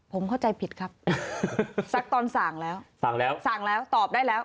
ผมเข้าใจผิดครับสักตอนสั่งแล้วสั่งแล้วสั่งแล้วตอบได้แล้ว